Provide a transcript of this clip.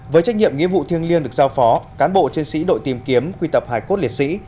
với trách nhiệm nghĩa vụ thiêng liêng được giao phó cán bộ chiến sĩ đội tìm kiếm quy tập hải cốt liệt sĩ